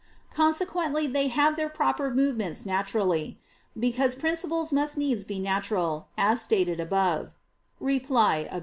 Consequently they have their proper movements naturally: because principles must needs be natural, as stated above (Reply Obj.